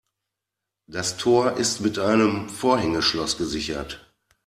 Das Tor ist mit einem Vorhängeschloss gesichert.